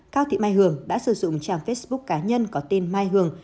cao thị mai hường đã sử dụng trang facebook cá nhân có tên mai hường